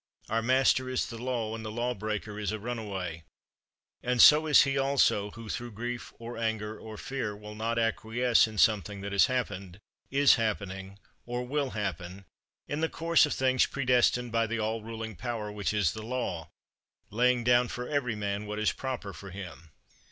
Our master is the law, and the law breaker is a runaway; and so is he also who through grief, or anger, or fear will not acquiesce in something that has happened, is happening, or will happen, in the course of things predestined by the all ruling power which is the law, laying down for every man what is proper for him.